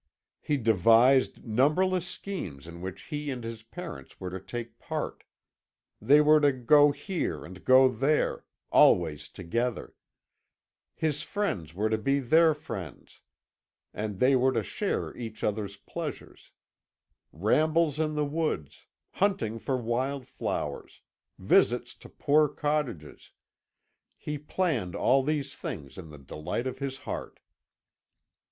He devised numberless schemes in which he and his parents were to take part. They were to go here, and to go there always together. His friends were to be their friends, and they were to share each other's pleasures. Rambles in the woods, hunting for wild flowers, visits to poor cottages he planned all these things in the delight of his heart.